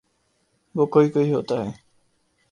وہ کوئی کوئی ہوتا ہے۔